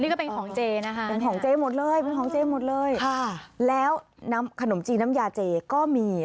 นี่ก็เป็นของเจนะคะเป็นของเจหมดเลยแล้วขนมจีน้ำยาเจก็มี